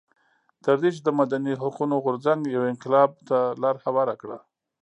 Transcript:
تر دې چې د مدني حقونو غورځنګ یو انقلاب ته لار هواره کړه.